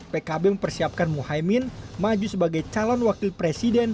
pkb mempersiapkan muhamad iskandar maju sebagai calon wakil presiden